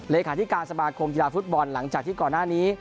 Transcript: เลขาธิการสมาคมกีฬาฟุตบอลหลังจากที่ก่อนหน้านี้